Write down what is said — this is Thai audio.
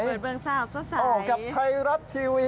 เปิดเบื้องเช้าสวสัยกับไทยรัฐทีวี